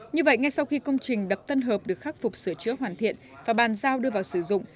như vậy ngay sau khi công trình đập tân hợp được khắc phục sửa chữa hoàn thiện và bàn giao đưa vào sử dụng